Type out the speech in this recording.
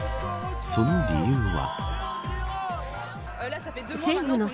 その理由は。